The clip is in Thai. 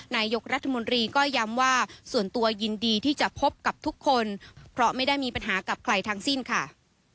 นายกรัฐมนตรีก็ย้ำว่าส่วนตัวยินดีที่จะพบกับทุกคนเพราะไม่ได้มีปัญหากับใครทั้งสิ้นค่ะ